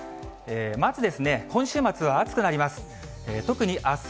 まず今週末は暑くなります。